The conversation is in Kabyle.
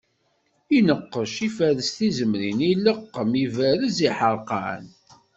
Ineqqec, iferres tizemrin, ileqqem, iberrez iḥerqan.